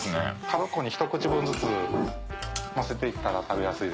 角っこに一口分ずつ乗せていったら食べやすいです。